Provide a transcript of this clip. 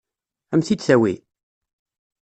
Ad m-t-id-tawi?